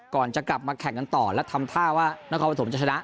ก่อนจะกลับมาแข่งกันต่อและทำท่าว่านครปฐมจะชนะ